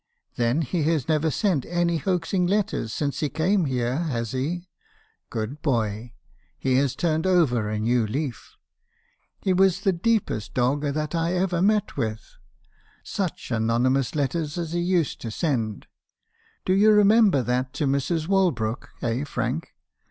"'Then he has never sent any hoaxing letters since he came here , has he? Good boy! He has turned over a new leaf. He was the deepest dog at that I ever met with. Such anonymous letters as he used to send! Do you remember that to Mrs. Wal brook, eh Frank?